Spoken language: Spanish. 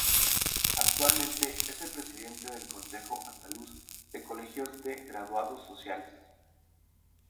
Actualmente es el Presidente del Consejo Andaluz de Colegios de Graduados Sociales.